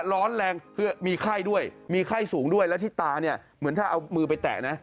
ร้อนแรงคือมีไข้ด้วยมีไข้สูงด้วยแล้วที่ตาเนี่ยเหมือนถ้าเอามือไปแตะนะ